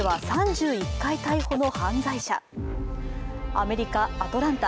アメリカ・アトランタ。